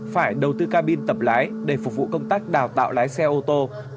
phải đầu tư cabin tập lái để phục vụ công tác đào tạo lái xe ô tô